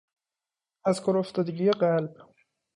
از کار افتادگی قلب